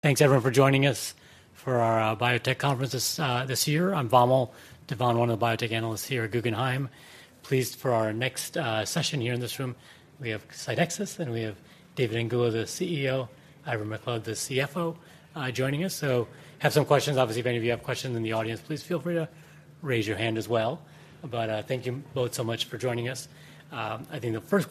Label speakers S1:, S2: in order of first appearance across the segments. S1: Thanks, everyone, for joining us for our biotech conference this year. I'm Vamil Divan, one of the biotech analysts here at Guggenheim. Pleased for our next session here in this room, we have SCYNEXIS, and we have David Angulo, the CEO, Ivor Macleod, the CFO, joining us. So have some questions. Obviously, if any of you have questions in the audience, please feel free to raise your hand as well. But thank you both so much for joining us. I think the first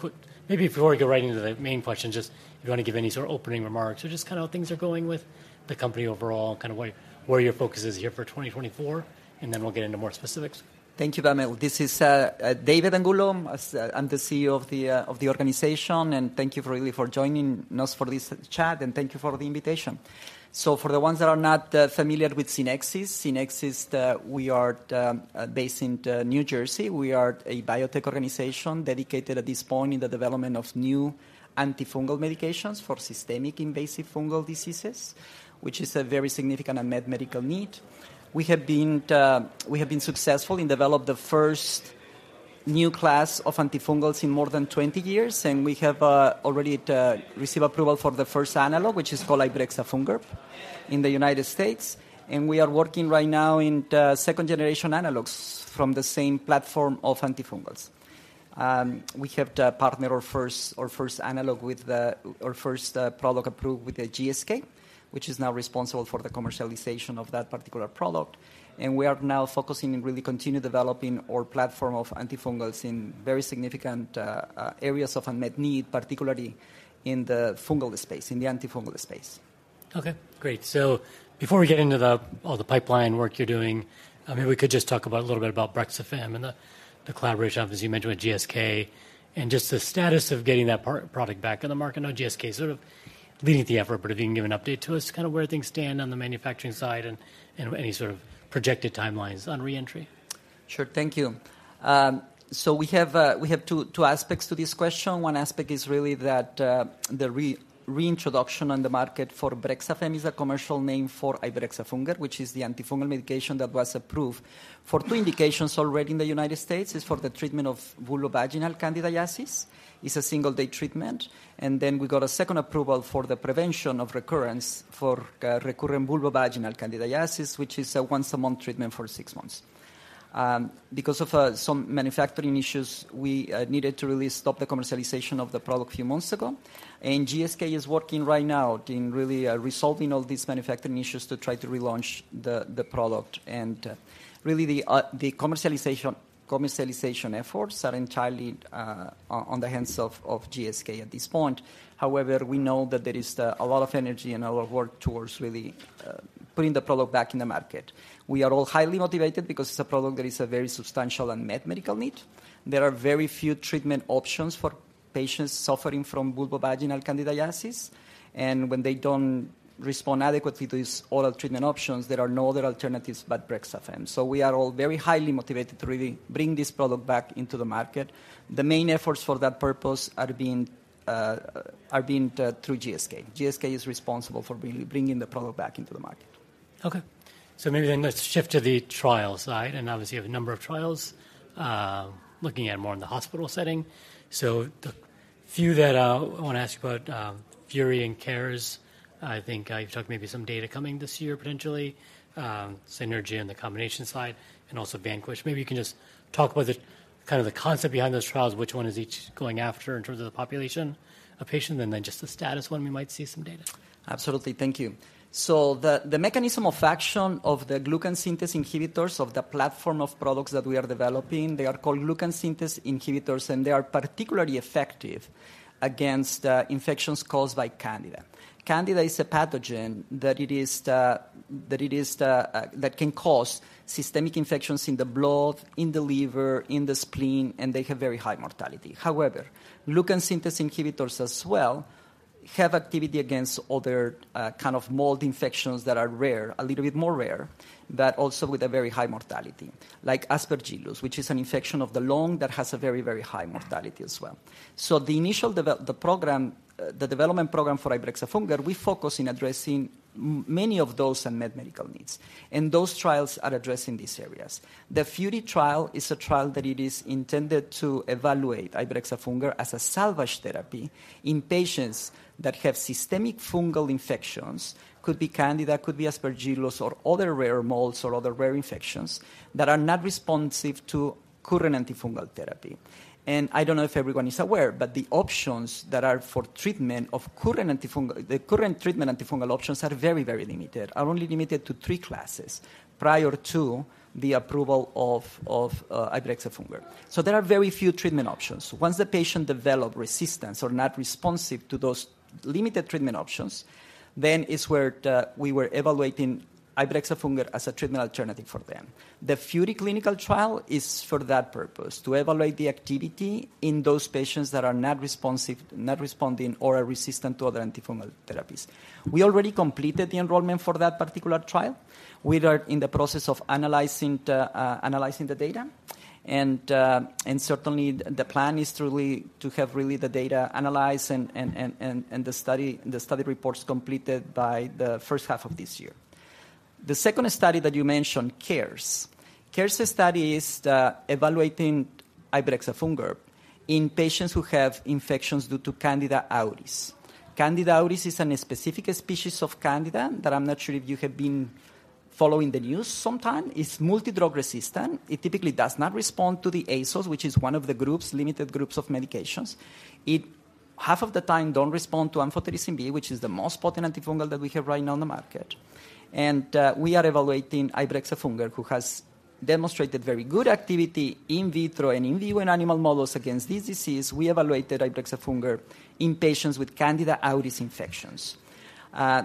S1: maybe before we go right into the main questions, just if you want to give any sort of opening remarks or just kind of how things are going with the company overall, kind of where, where your focus is here for 2024, and then we'll get into more specifics.
S2: Thank you, Vamil. This is David Angulo. I'm the CEO of the organization, and thank you for really for joining us for this chat, and thank you for the invitation. So for the ones that are not familiar with SCYNEXIS, we are based in New Jersey. We are a biotech organization dedicated at this point in the development of new antifungal medications for systemic invasive fungal diseases, which is a very significant unmet medical need. We have been successful in develop the first new class of antifungals in more than 20 years, and we have already received approval for the first analog, which is called ibrexafungerp, in the United States, and we are working right now in the second-generation analogs from the same platform of antifungals. We have partnered our first analog with our first product approved with GSK, which is now responsible for the commercialization of that particular product. We are now focusing and really continue developing our platform of antifungals in very significant areas of unmet need, particularly in the fungal space, in the antifungal space.
S1: Okay, great. So before we get into all the pipeline work you're doing, maybe we could just talk a little bit about BREXAFEMME and the collaboration, obviously you mentioned with GSK and just the status of getting that product back in the market. Now GSK is sort of leading the effort, but if you can give an update to us, kind of where things stand on the manufacturing side and any sort of projected timelines on re-entry.
S2: Sure. Thank you. So we have two aspects to this question. One aspect is really that the reintroduction on the market for BREXAFEMME is a commercial name for ibrexafungerp, which is the antifungal medication that was approved for two indications already in the United States. It's for the treatment of vulvovaginal candidiasis. It's a single-day treatment. And then we got a second approval for the prevention of recurrence for recurrent vulvovaginal candidiasis, which is a once-a-month treatment for six months. Because of some manufacturing issues, we needed to really stop the commercialization of the product a few months ago, and GSK is working right now in really resolving all these manufacturing issues to try to relaunch the product. Really, the commercialization efforts are entirely on the hands of GSK at this point. However, we know that there is a lot of energy and a lot of work towards really putting the product back in the market. We are all highly motivated because it's a product that is a very substantial unmet medical need. There are very few treatment options for patients suffering from vulvovaginal candidiasis, and when they don't respond adequately to these oral treatment options, there are no other alternatives but BREXAFEMME. So we are all very highly motivated to really bring this product back into the market. The main efforts for that purpose are being through GSK. GSK is responsible for bringing the product back into the market.
S1: Okay. So maybe then let's shift to the trial side, and obviously, you have a number of trials looking at more in the hospital setting. So the few that I want to ask you about, FURI and CARES, I think, you've talked maybe some data coming this year, potentially, SCYNERGIA on the combination side and also VANQUISH. Maybe you can just talk about the kind of the concept behind those trials, which one is each going after in terms of the population of patients, and then just the status when we might see some data.
S2: Absolutely. Thank you. So the mechanism of action of the glucan synthase inhibitors, of the platform of products that we are developing, they are called glucan synthase inhibitors, and they are particularly effective against infections caused by Candida. Candida is a pathogen that can cause systemic infections in the blood, in the liver, in the spleen, and they have very high mortality. However, glucan synthase inhibitors as well have activity against other kind of mold infections that are rare, a little bit more rare, but also with a very high mortality, like Aspergillus, which is an infection of the lung that has a very, very high mortality as well. So the initial development program for ibrexafungerp, we focus in addressing many of those unmet medical needs, and those trials are addressing these areas. The FURI trial is a trial that it is intended to evaluate ibrexafungerp as a salvage therapy in patients that have systemic fungal infections. Could be Candida, could be Aspergillus, or other rare molds or other rare infections that are not responsive to current antifungal therapy. And I don't know if everyone is aware, but the options that are for treatment of current antifungal-- the current treatment antifungal options are very, very limited, are only limited to three classes prior to the approval of ibrexafungerp. So there are very few treatment options. Once the patient develop resistance or not responsive to those limited treatment options, then it's where we were evaluating ibrexafungerp as a treatment alternative for them. The FURI clinical trial is for that purpose, to evaluate the activity in those patients that are not responsive, not responding or are resistant to other antifungal therapies. We already completed the enrollment for that particular trial. We are in the process of analyzing the data, and certainly, the plan is to really have the data analyzed and the study reports completed by the first half of this year. The second study that you mentioned, CARES. The CARES study is evaluating ibrexafungerp in patients who have infections due to Candida auris. Candida auris is a specific species of Candida that I'm not sure if you have been following the news sometime. It's multidrug-resistant. It typically does not respond to the azoles, which is one of the groups, limited groups of medications. It, half of the time, don't respond to amphotericin B, which is the most potent antifungal that we have right now on the market. We are evaluating ibrexafungerp, who has demonstrated very good activity in vitro and in vivo in animal models against this disease. We evaluated ibrexafungerp in patients with Candida auris infections.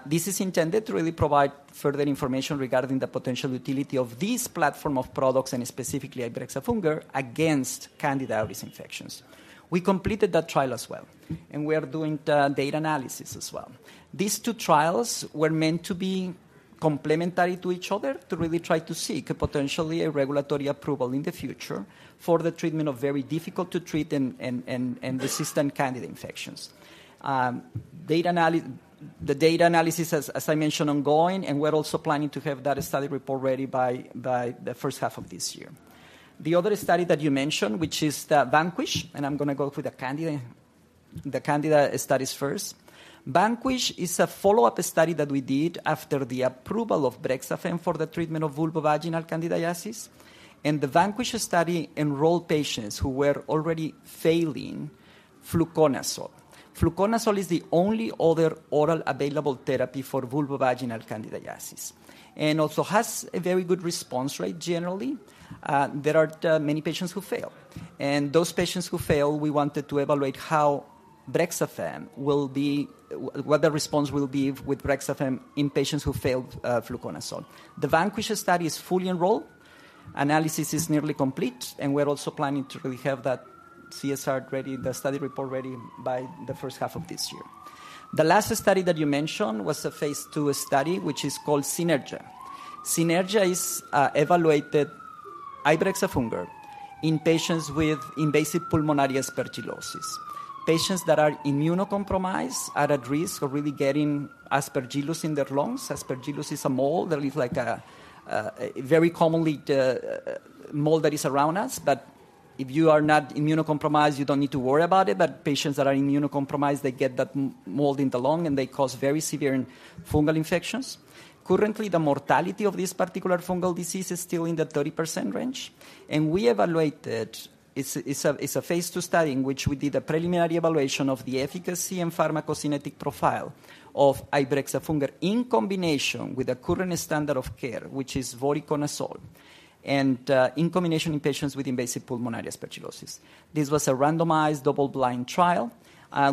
S2: This is intended to really provide further information regarding the potential utility of this platform of products, and specifically ibrexafungerp, against Candida auris infections. We completed that trial as well, and we are doing the data analysis as well. These two trials were meant to be complementary to each other, to really try to seek potentially a regulatory approval in the future for the treatment of very difficult to treat and resistant Candida infections. The data analysis, as I mentioned, ongoing, and we're also planning to have that study report ready by the first half of this year. The other study that you mentioned, which is the VANQUISH, and I'm gonna go through the Candida, the Candida studies first. VANQUISH is a follow-up study that we did after the approval of BREXAFEMME for the treatment of vulvovaginal candidiasis. The VANQUISH study enrolled patients who were already failing fluconazole. Fluconazole is the only other oral available therapy for vulvovaginal candidiasis, and also has a very good response rate generally. There are many patients who fail, and those patients who fail, we wanted to evaluate how BREXAFEMME will be what the response will be with BREXAFEMME in patients who failed fluconazole. The VANQUISH study is fully enrolled, analysis is nearly complete, and we're also planning to really have that CSR ready, the study report ready by the first half of this year. The last study that you mentioned was a phase II study, which is called SCYNERGIA. SCYNERGIA is evaluated ibrexafungerp in patients with invasive pulmonary aspergillosis. Patients that are immunocompromised are at risk of really getting Aspergillus in their lungs. Aspergillus is a mold that is like a very commonly mold that is around us. But if you are not immunocompromised, you don't need to worry about it. But patients that are immunocompromised, they get that mold in the lung, and they cause very severe and fungal infections. Currently, the mortality of this particular fungal disease is still in the 30% range, and we evaluated... It's a phase II study in which we did a preliminary evaluation of the efficacy and pharmacokinetic profile of ibrexafungerp in combination with the current standard of care, which is voriconazole, in combination in patients with invasive pulmonary aspergillosis. This was a randomized, double-blind trial.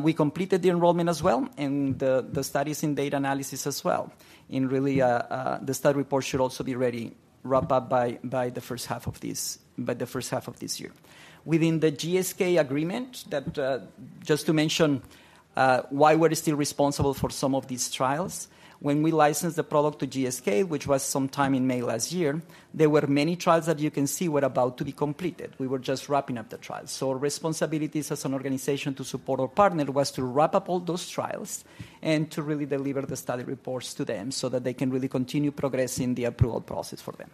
S2: We completed the enrollment as well, and the study's in data analysis as well. And really, the study report should also be ready, wrap up by the first half of this year. Within the GSK agreement, that just to mention, why we're still responsible for some of these trials. When we licensed the product to GSK, which was sometime in May last year, there were many trials that you can see were about to be completed. We were just wrapping up the trials. Our responsibilities as an organization to support our partner was to wrap up all those trials and to really deliver the study reports to them so that they can really continue progressing the approval process for them.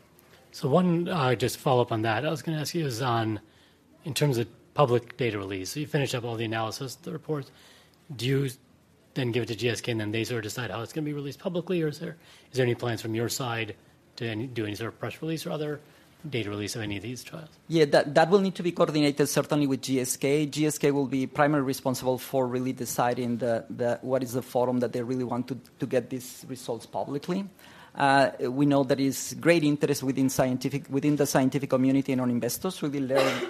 S1: So one, just follow up on that. I was gonna ask you is on, in terms of public data release. So you finish up all the analysis, the reports, do you then give it to GSK, and then they sort of decide how it's gonna be released publicly, or is there, is there any plans from your side to any, do any sort of press release or other data release of any of these trials?
S2: Yeah, that will need to be coordinated certainly with GSK. GSK will be primarily responsible for really deciding what is the forum that they really want to get these results publicly. We know there is great interest within the scientific community and our investors to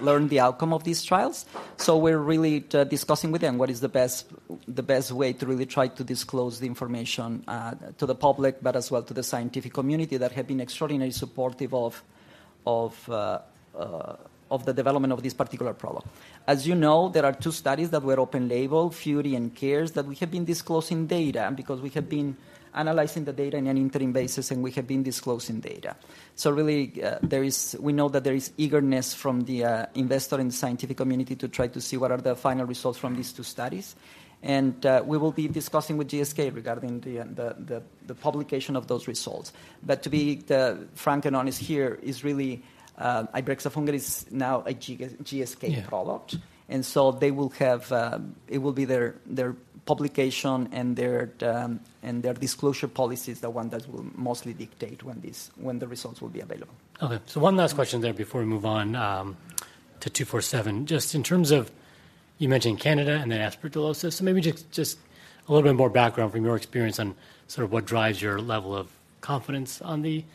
S2: learn the outcome of these trials. So we're really discussing with them what is the best way to really try to disclose the information to the public, but as well to the scientific community that have been extraordinarily supportive of the development of this particular product. As you know, there are two studies that were open label, FURI and CARES, that we have been disclosing data because we have been analyzing the data on an interim basis, and we have been disclosing data. So really, there is. We know that there is eagerness from the investor and scientific community to try to see what are the final results from these two studies. We will be discussing with GSK regarding the publication of those results. But to be frank and honest here, is really ibrexafungerp is now a GSK product.
S1: Yeah.
S2: So they will have. It will be their publication and their disclosure policy is the one that will mostly dictate when the results will be available.
S1: Okay, so one last question there before we move on to 247. Just in terms of... You mentioned Candida and then aspergillosis. So maybe just a little bit more background from your experience on sort of what drives your level of confidence on the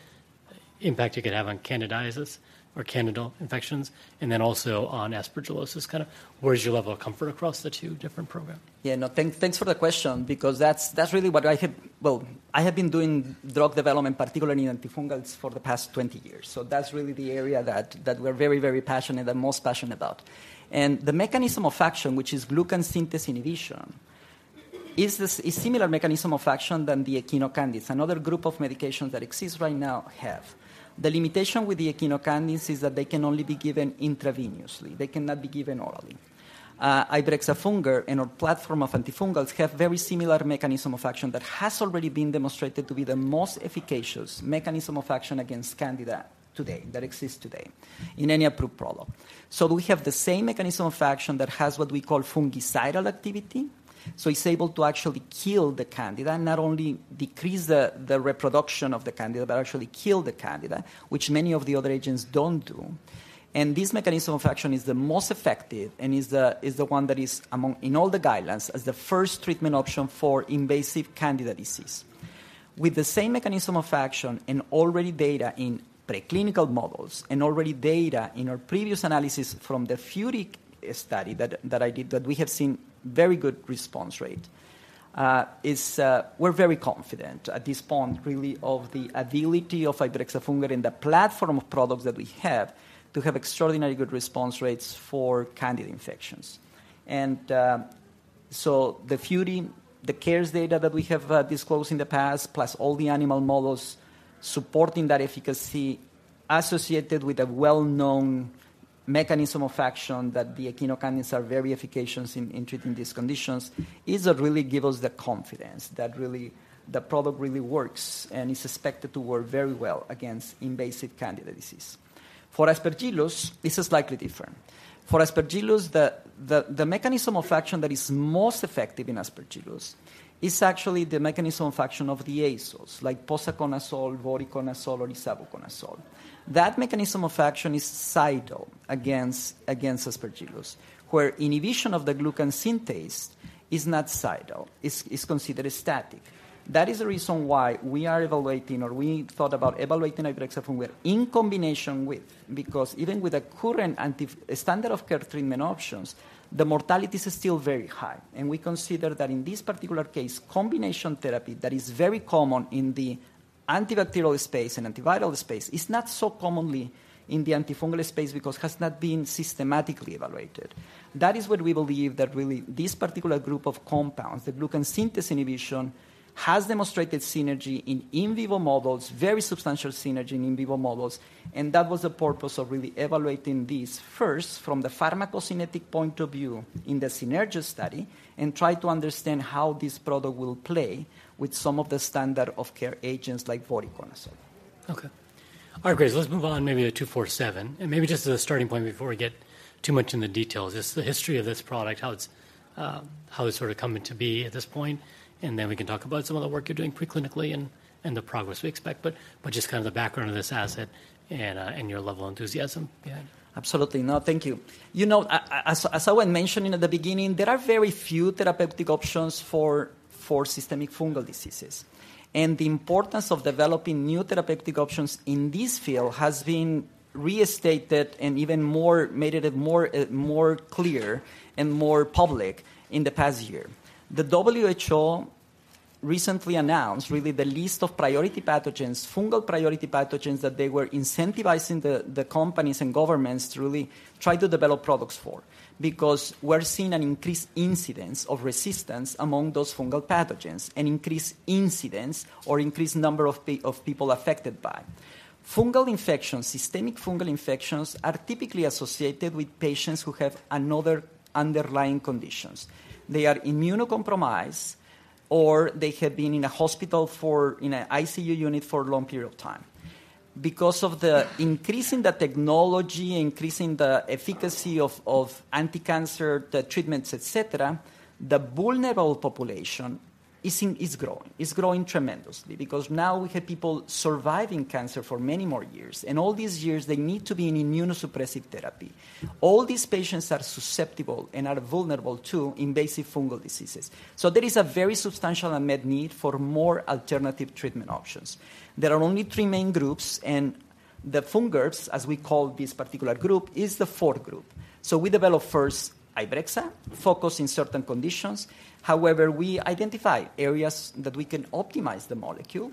S1: impact it could have on candidiasis or Candida infections, and then also on aspergillosis, kind of where is your level of comfort across the two different programs?
S2: Yeah, no, thanks for the question, because that's, that's really what I have... Well, I have been doing drug development, particularly in antifungals, for the past 20 years. So that's really the area that, that we're very, very passionate and most passionate about. And the mechanism of action, which is glucan synthesis inhibition, is a similar mechanism of action than the echinocandins, another group of medications that exists right now have. The limitation with the echinocandins is that they can only be given intravenously. They cannot be given orally.... Ibrexafungerp and our platform of antifungals have very similar mechanism of action that has already been demonstrated to be the most efficacious mechanism of action against Candida today, that exists today, in any approved product. So we have the same mechanism of action that has what we call fungicidal activity, so it's able to actually kill the Candida, not only decrease the reproduction of the Candida, but actually kill the Candida, which many of the other agents don't do. And this mechanism of action is the most effective and is the one that is among in all the guidelines as the first treatment option for invasive Candida disease. With the same mechanism of action and already data in preclinical models and already data in our previous analysis from the FURI study that I did, that we have seen very good response rate. We're very confident at this point, really, of the ability of ibrexafungerp in the platform of products that we have to have extraordinarily good response rates for Candida infections. So the FURI, the CARES data that we have disclosed in the past, plus all the animal models supporting that efficacy associated with a well-known mechanism of action, that the echinocandins are very efficacious in treating these conditions, is what really give us the confidence that really, the product really works and is expected to work very well against invasive Candida disease. For Aspergillus, this is slightly different. For Aspergillus, the mechanism of action that is most effective in Aspergillus is actually the mechanism of action of the azoles, like posaconazole, voriconazole, or isavuconazole. That mechanism of action is cidal against Aspergillus, where inhibition of the glucan synthase is not cidal, it's considered static. That is the reason why we are evaluating or we thought about evaluating ibrexafungerp in combination with... Because even with the current antifungal standard-of-care treatment options, the mortality is still very high. We consider that in this particular case, combination therapy, that is very common in the antibacterial space and antiviral space, is not so commonly in the antifungal space because it has not been systematically evaluated. That is what we believe, that really, this particular group of compounds, the glucan synthase inhibition, has demonstrated synergy in vivo models, very substantial synergy in vivo models, and that was the purpose of really evaluating this first from the pharmacokinetic point of view in the synergy study, and try to understand how this product will play with some of the standard of care agents like voriconazole.
S1: Okay. All right, great. So let's move on maybe to 247, and maybe just as a starting point, before we get too much in the details, just the history of this product, how it's, how it's sort of coming to be at this point, and then we can talk about some of the work you're doing preclinically and, and the progress we expect. But, but just kind of the background of this asset and, and your level of enthusiasm. Yeah.
S2: Absolutely. No, thank you. You know, as I was mentioning at the beginning, there are very few therapeutic options for systemic fungal diseases, and the importance of developing new therapeutic options in this field has been restated and even more, made it more clear and more public in the past year. The WHO recently announced really the list of priority pathogens, fungal priority pathogens, that they were incentivizing the companies and governments to really try to develop products for, because we're seeing an increased incidence of resistance among those fungal pathogens, an increased incidence or increased number of people affected by. Fungal infections, systemic fungal infections, are typically associated with patients who have another underlying conditions. They are immunocompromised, or they have been in a hospital for in an ICU unit for a long period of time. Because of the increase in the technology, increase in the efficacy of anticancer treatments, et cetera, the vulnerable population is growing. It's growing tremendously because now we have people surviving cancer for many more years, and all these years, they need to be in immunosuppressive therapy. All these patients are susceptible and are vulnerable to invasive fungal diseases. So there is a very substantial unmet need for more alternative treatment options. There are only three main groups, and the fungerps, as we call this particular group, is the fourth group. So we develop first ibrexafungerp, focused in certain conditions. However, we identify areas that we can optimize the molecule,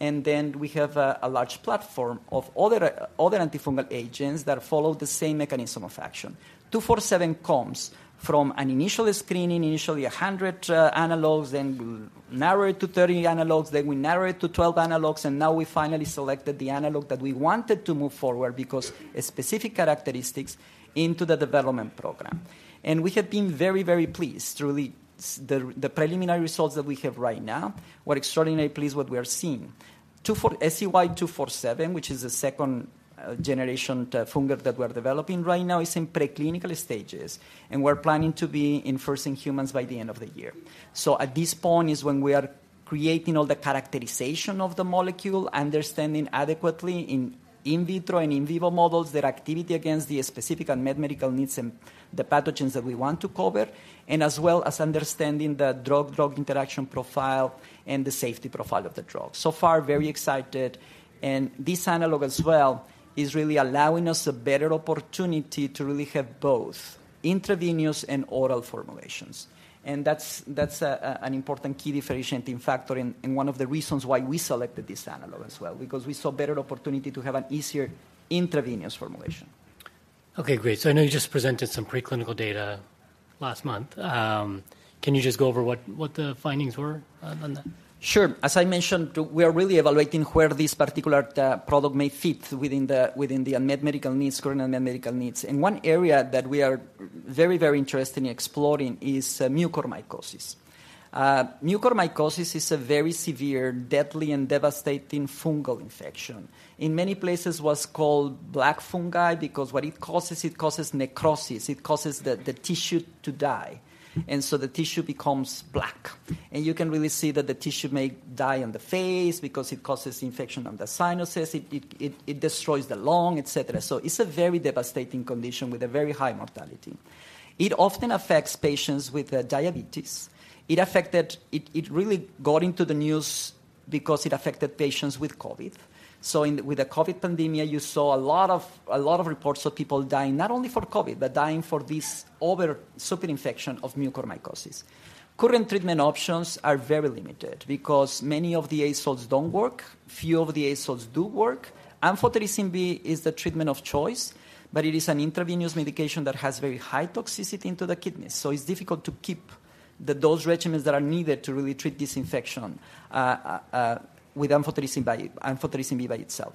S2: and then we have a large platform of other antifungal agents that follow the same mechanism of action. 247 comes from an initial screening, initially 100 analogs, then we narrowed it to 30 analogs, then we narrowed it to 12 analogs, and now we finally selected the analog that we wanted to move forward because of specific characteristics into the development program. And we have been very, very pleased through the preliminary results that we have right now. We're extraordinarily pleased what we are seeing. SCY-247, which is the second generation fungerp that we are developing right now, is in preclinical stages, and we're planning to be in first in humans by the end of the year. So at this point is when we are creating all the characterization of the molecule, understanding adequately in vitro and in vivo models, their activity against the specific unmet medical needs and the pathogens that we want to cover, and as well as understanding the drug-drug interaction profile and the safety profile of the drug. So far, very excited, and this analog as well is really allowing us a better opportunity to really have both intravenous and oral formulations. And that's an important key differentiating factor and one of the reasons why we selected this analog as well, because we saw better opportunity to have an easier intravenous formulation....
S1: Okay, great. So I know you just presented some preclinical data last month. Can you just go over what the findings were on that?
S2: Sure. As I mentioned, we are really evaluating where this particular product may fit within the unmet medical needs, current unmet medical needs. And one area that we are very, very interested in exploring is mucormycosis. Mucormycosis is a very severe, deadly, and devastating fungal infection. In many places, what's called black fungi, because what it causes, it causes necrosis. It causes the tissue to die, and so the tissue becomes black. And you can really see that the tissue may die on the face because it causes infection on the sinuses, it destroys the lung, etc. So it's a very devastating condition with a very high mortality. It often affects patients with diabetes. It really got into the news because it affected patients with COVID. So, with the COVID pandemic, you saw a lot of reports of people dying, not only for COVID, but dying for this other super infection of mucormycosis. Current treatment options are very limited because many of the azoles don't work, few of the azoles do work. Amphotericin B is the treatment of choice, but it is an intravenous medication that has very high toxicity into the kidneys, so it's difficult to keep the dose regimens that are needed to really treat this infection with amphotericin B by itself.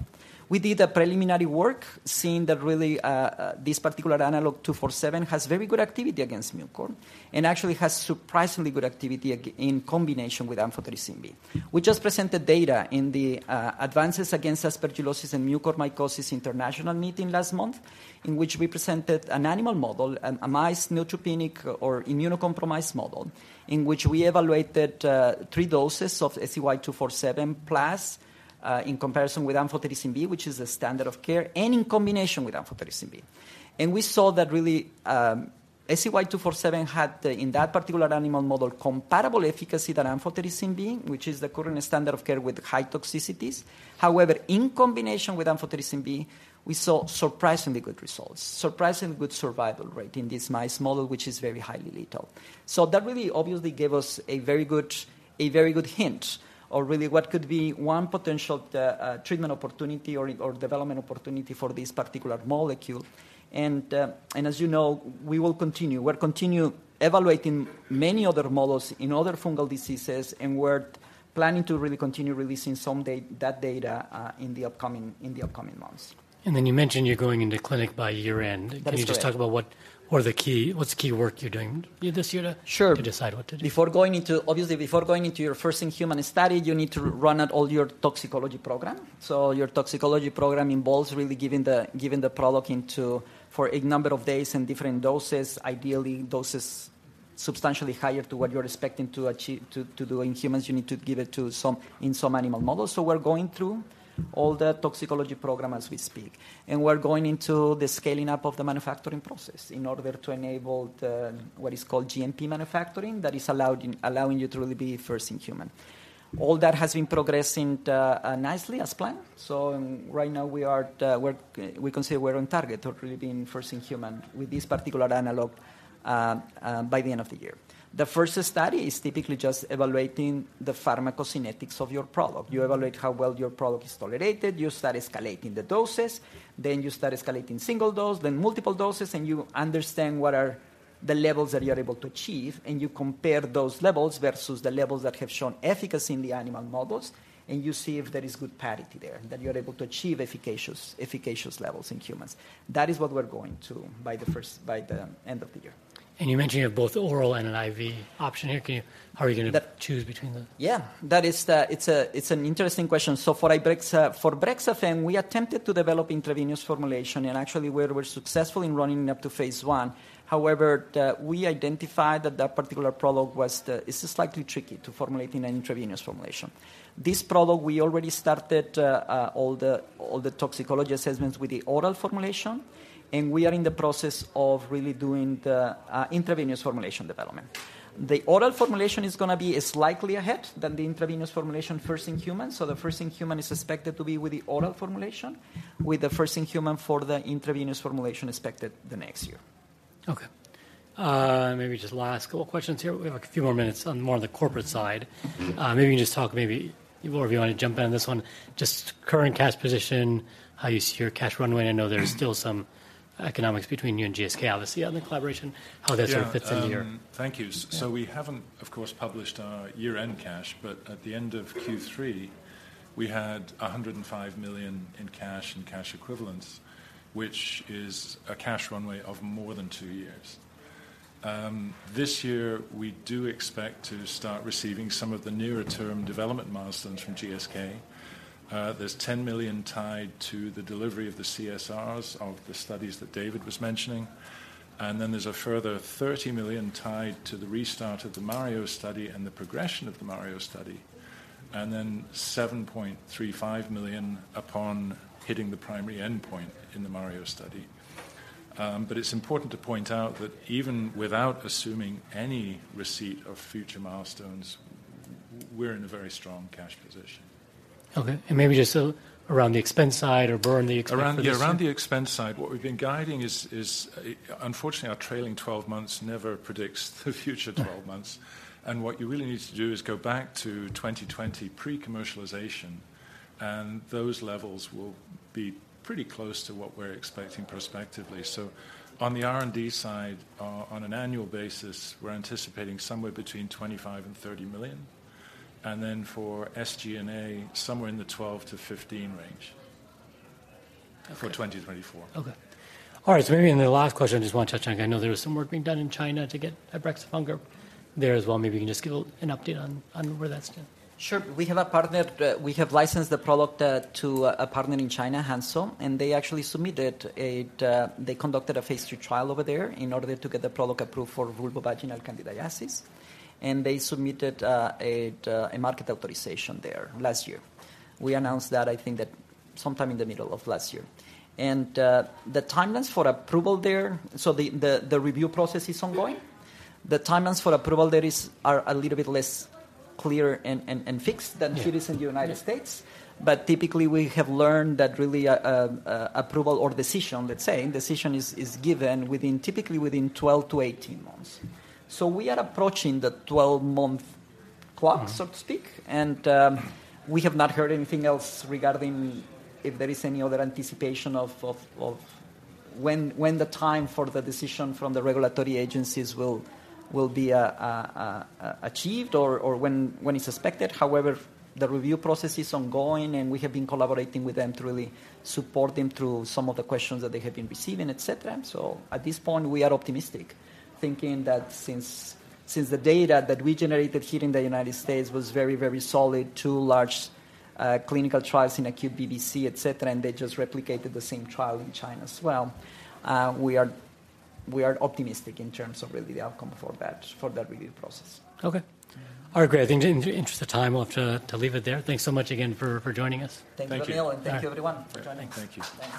S2: We did a preliminary work, seeing that really this particular analog, 247, has very good activity against mucor, and actually has surprisingly good activity in combination with amphotericin B. We just presented data in the Advances Against Aspergillosis and Mucormycosis international meeting last month, in which we presented an animal model, a mice neutropenic or immunocompromised model, in which we evaluated three doses of SCY-247 plus in comparison with amphotericin B, which is the standard of care, and in combination with amphotericin B. We saw that really SCY-247 had in that particular animal model comparable efficacy than amphotericin B, which is the current standard of care with high toxicities. However, in combination with amphotericin B, we saw surprisingly good results, surprisingly good survival rate in this mice model, which is very highly lethal. That really obviously gave us a very good, a very good hint of really what could be one potential treatment opportunity or development opportunity for this particular molecule. As you know, we will continue. We'll continue evaluating many other models in other fungal diseases, and we're planning to really continue releasing some that data in the upcoming months.
S1: And then you mentioned you're going into clinic by year-end.
S2: That is correct.
S1: Can you just talk about what's the key work you're doing this year to-
S2: Sure.
S1: - to decide what to do?
S2: Obviously, before going into your first human study, you need to run all your toxicology program. So your toxicology program involves really giving the product into for a number of days in different doses, ideally doses substantially higher to what you're expecting to achieve, to do in humans, you need to give it to in some animal models. So we're going through all the toxicology program as we speak, and we're going into the scaling up of the manufacturing process in order to enable the, what is called GMP manufacturing, that is allowing you to really be first in human. All that has been progressing nicely as planned. So right now, we are at. We consider we're on target to really being first in human with this particular analog by the end of the year. The first study is typically just evaluating the pharmacokinetics of your product. You evaluate how well your product is tolerated, you start escalating the doses, then you start escalating single dose, then multiple doses, and you understand what are the levels that you're able to achieve, and you compare those levels versus the levels that have shown efficacy in the animal models, and you see if there is good parity there, that you're able to achieve efficacious, efficacious levels in humans. That is what we're going to do by the end of the year.
S1: You mentioned you have both oral and an IV option here. How are you gonna choose between them?
S2: Yeah. That is— It's an interesting question. So for ibrexa— for BREXAFEMME, we attempted to develop intravenous formulation, and actually, we were successful in running up to phase I. However, we identified that that particular product was, it's slightly tricky to formulate in an intravenous formulation. This product, we already started, all the toxicology assessments with the oral formulation, and we are in the process of really doing the intravenous formulation development. The oral formulation is gonna be slightly ahead than the intravenous formulation first in human, so the first in human is expected to be with the oral formulation, with the first in human for the intravenous formulation expected the next year.
S1: Okay. Maybe just last couple questions here. We have a few more minutes on more on the corporate side.
S3: Mm-hmm.
S1: Maybe you can just talk, maybe, or if you want to jump in on this one, just current cash position, how you see your cash runway. I know there's still some economics between you and GSK, obviously, on the collaboration, how that sort of fits in here.
S3: Yeah, thank you.
S1: Yeah.
S3: So we haven't, of course, published our year-end cash, but at the end of Q3, we had $105 million in cash and cash equivalents, which is a cash runway of more than two years. This year, we do expect to start receiving some of the nearer-term development milestones from GSK. There's $10 million tied to the delivery of the CSRs of the studies that David was mentioning, and then there's a further $30 million tied to the restart of the MARIO study and the progression of the MARIO study, and then $7.35 million upon hitting the primary endpoint in the MARIO study. But it's important to point out that even without assuming any receipt of future milestones, we're in a very strong cash position. ...
S1: Okay, and maybe just, around the expense side or burn the expense-
S3: Around, yeah, around the expense side, what we've been guiding is, unfortunately, our trailing twelve months never predicts the future twelve months. And what you really need to do is go back to 2020 pre-commercialization, and those levels will be pretty close to what we're expecting prospectively. So on the R&D side, on an annual basis, we're anticipating somewhere between $25 million and $30 million, and then for SG&A, somewhere in the $12 million-$15 million range-
S1: Okay.
S3: for 2024.
S1: Okay. All right, so maybe in the last question, I just want to touch on, I know there was some work being done in China to get ibrexafungerp there as well. Maybe you can just give a, an update on, on where that stands.
S2: Sure. We have a partner. We have licensed the product to a partner in China, Hansoh, and they actually submitted it. They conducted a phase II trial over there in order to get the product approved for vulvovaginal candidiasis, and they submitted a market authorization there last year. We announced that, I think that sometime in the middle of last year. And the timelines for approval there, so the review process is ongoing. The timelines for approval there is, are a little bit less clear and fixed-
S3: Yeah
S2: than it is in the United States.
S1: Yeah.
S2: But typically, we have learned that really, approval or decision, let's say, decision is given within, typically within 12-18 months. So we are approaching the 12-month clock-
S1: Mm
S2: So to speak, and we have not heard anything else regarding if there is any other anticipation of when the time for the decision from the regulatory agencies will be achieved or when it's expected. However, the review process is ongoing, and we have been collaborating with them to really support them through some of the questions that they have been receiving, et cetera. So at this point, we are optimistic, thinking that since the data that we generated here in the United States was very, very solid, two large clinical trials in acute VVC, et cetera, and they just replicated the same trial in China as well, we are optimistic in terms of really the outcome for that review process.
S1: Okay. All right, great. I think in the interest of time, we'll have to leave it there. Thanks so much again for joining us.
S2: Thank you, Vamil.
S3: Thank you.
S2: Thank you, everyone, for joining us.
S3: Thank you.
S2: Thanks.